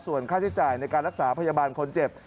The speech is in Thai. ส่วนค่าใช้จ่ายในการรักษาพยาบาลคนเจ็บ